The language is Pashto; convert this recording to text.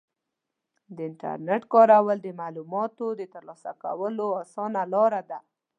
د انټرنیټ کارول د معلوماتو د ترلاسه کولو اسانه لاره ده.